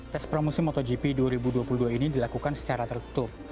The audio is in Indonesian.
tes pramusim motogp dua ribu dua puluh dua ini dilakukan secara tertutup